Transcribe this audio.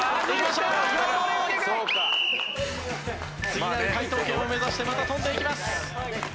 次なる解答権を目指してまた跳んでいきます。